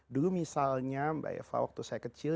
dulu misalnya mbak eva waktu saya kecil